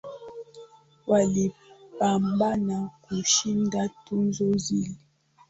Walipambana kushinda tuzo zile